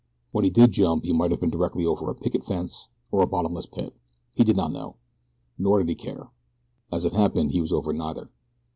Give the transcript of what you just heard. When he did jump he might have been directly over a picket fence, or a bottomless pit he did not know. Nor did he care. As it happened he was over neither.